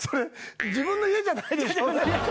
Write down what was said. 自分の家じゃないです。